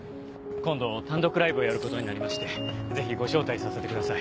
今度単独ライブをやることになりましてぜひご招待させてください。